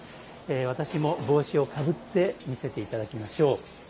私も帽子をかぶって見せていただきましょう。